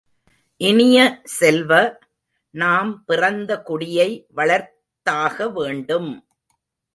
இனிய செல்வ, நாம் பிறந்த குடியை வளர்த்தாக வேண்டும்!